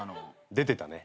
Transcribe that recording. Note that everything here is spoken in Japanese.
出てたね。